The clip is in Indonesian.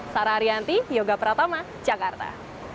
sarah arianti yoga pratama jakarta